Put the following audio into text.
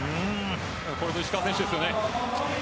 これぞ石川選手ですよね。